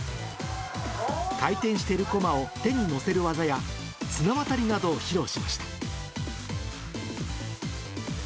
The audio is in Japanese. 回転しているこまを手に載せる技や、綱渡りなどを披露しました。